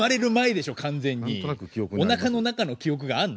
おなかの中の記憶があんの？